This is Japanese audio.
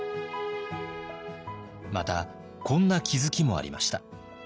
またこんな気付きもありました。